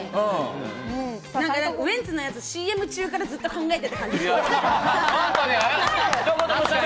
ウエンツのやつ、ＣＭ中からずっと考えてた感じ。